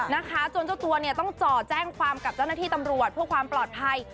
นะคะจนเจ้าตัวเนี่ยต้องจ่อแจ้งความกับเจ้าหน้าที่ตำรวจเพื่อความปลอดภัย